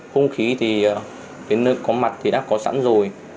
hung khí thì đến nơi có mặt thì đã có sẵn rồi